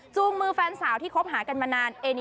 จูงมือแฟนสาวที่เดินไปหากันมานาน